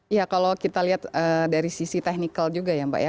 iya kalau kita lihat dari sisi technical juga ya mbak ya